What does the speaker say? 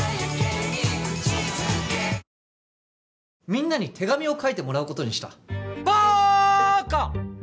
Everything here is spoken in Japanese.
みんなに手紙を書いてもらうことにしたバーカ！